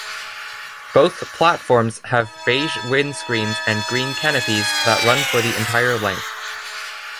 Both platforms have beige windscreens and green canopies that run for the entire length.